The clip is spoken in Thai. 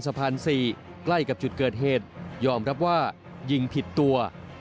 สะพาน๔ใกล้กับจุดเกิดเหตุยอมรับว่ายิงผิดตัว